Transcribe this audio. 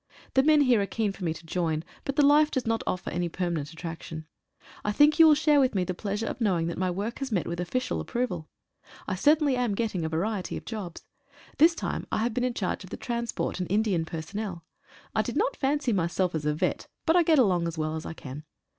The men here are keen for me to join, but the life does not offer any permanent attraction. I think you will share with me the pleasure of knowing that my work has met with official approval. I certainly am getting a variety of jobs. This time I have been in charge of the transport and Indian personnel. I did not fancy myself as a vet, but I get along as well as I can.